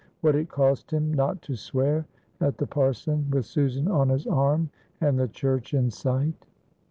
What it cost him not to swear at the parson with Susan on his arm and the church in sight!